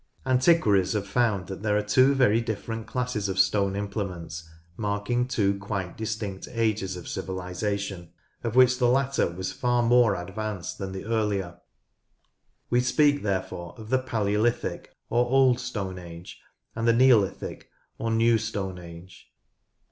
Antiquaries have found that there are two very different classes of stone implements marking two quite distinct ages of civilisation, of which the later was far more advanced than the earlier. We speak therefore of the Palaeolithic or Old Stone Age, and the Neolithic or New Stone Age.